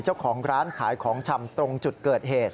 เจ้าของร้านขายของชำตรงจุดเกิดเหตุ